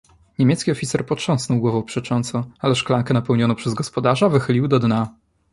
"Niemiecki oficer potrząsnął głową przecząco ale szklankę napełnioną przez gospodarza wychylił do dna."